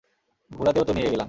ঘুরাতেও তো নিয়ে গেলাম।